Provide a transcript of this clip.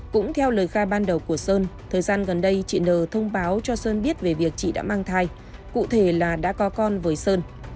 cũng theo lời khai ban đầu của sơn thời gian gần đây chị nờ thông báo cho sơn biết về việc chị đã mang thai cụ thể là đã có con với sơn